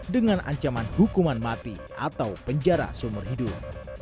dengan ancaman hukuman mati atau penjara sumur hidup